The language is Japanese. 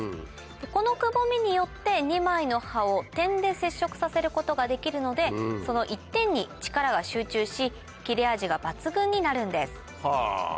このくぼみによって２枚の刃を点で接触させることができるのでその一点に力が集中し切れ味がバツグンになるんです。